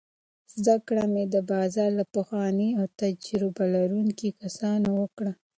زده کړه مې د بازار له پخو او تجربه لرونکو کسانو وکړه.